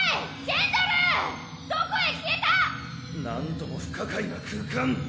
なんとも不可解な空間。